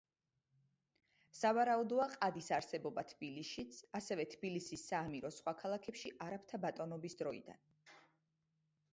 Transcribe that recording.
სავარაუდოა ყადის არსებობა თბილისშიც, ასევე თბილისის საამიროს სხვა ქალაქებში არაბთა ბატონობის დროიდან.